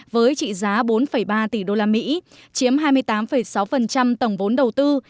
với trị giá bốn ba tỷ usd chiếm hai mươi tám sáu tổng vốn đầu tư